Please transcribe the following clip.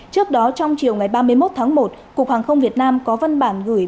trước đó trong chiều ngày ba mươi một tháng một cục hàng không việt nam có văn bản gửi